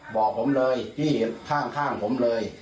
บอกผมเลยที่ข้างผมเลย